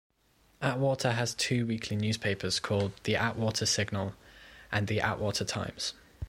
Atwater has two weekly newspapers called "The Atwater Signal" and "The Atwater Times".